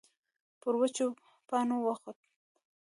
پر وچو پاڼو وخوت.